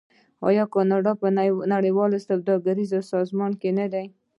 آیا کاناډا په نړیوال سوداګریز سازمان کې نه دی؟